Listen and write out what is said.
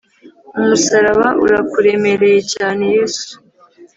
Umusaraba urakuremereye cyane Yesu